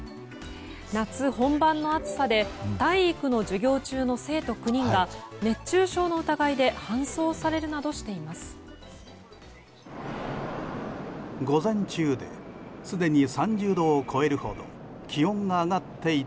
夏本番の暑さで体育の授業中の生徒９人が熱中症の疑いで搬送されるなどしています。